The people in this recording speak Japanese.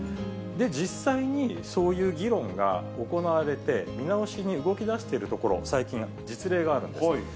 実際にそういう議論が行われて、見直しに動きだしているところ、最近、実例があるんです。